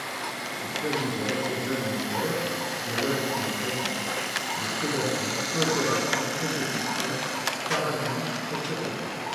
Il s'agit des ressources alimentaires, des relations trophiques de prédation, coopération, compétition, parasitisme, etc.